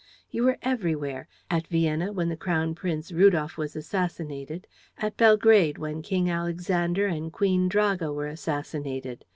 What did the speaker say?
You were everywhere: at Vienna, when the Crown Prince Rudolph was assassinated; at Belgrade when King Alexander and Queen Draga were assassinated.